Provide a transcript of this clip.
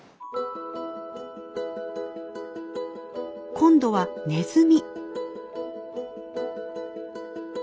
今度はネズミ。